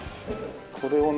これをね。